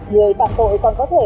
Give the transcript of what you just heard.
người tạm tội còn có thể